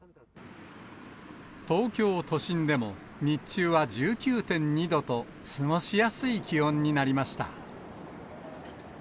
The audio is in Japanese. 東京都心でも日中は１９．２度と、過ごしやすい気温になりました。